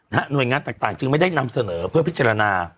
หน่วยงานต่างจึงไม่ได้นำเสนอเพื่อพิจารณา